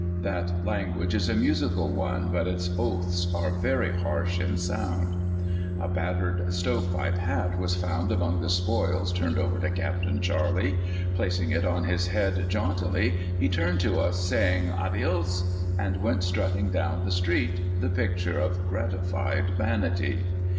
That language is a musical one, but its oaths are very harsh in sound. A battered " stove pipe " hat was found among the spoils turned over to Capt. Charley. Placing it on his head jauntily, he turned to us, saying, ^'Adios!'' and went strut ting down the street, the picture of gratified vanity.